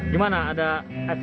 gimana ada efeknya